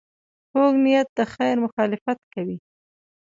کوږ نیت د خیر مخالفت کوي